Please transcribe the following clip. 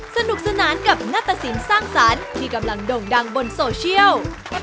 สนุกสนานกับนัตตสินสร้างสรรค์ที่กำลังโด่งดังบนโซเชียล